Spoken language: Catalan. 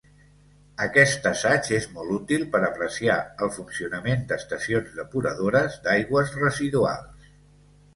Aquest assaig és molt útil per apreciar el funcionament d'estacions depuradores d'aigües residuals.